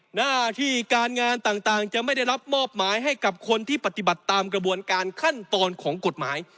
หน้าที่การงานต่างจะไม่ได้รับมอบหมายให้กับคนที่ปฏิบัติตามกระบวนการขั้นตอนของกฎหมาย